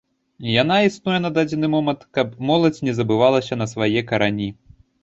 Яна існуе на дадзены момант, каб моладзь не забывалася на свае карані.